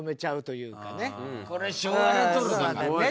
「これ昭和レトロだから」。